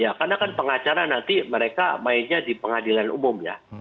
ya karena kan pengacara nanti mereka mainnya di pengadilan umum ya